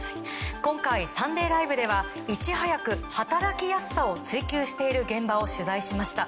今回「サンデーＬＩＶＥ！！」ではいち早く、働きやすさを追求している現場を取材しました。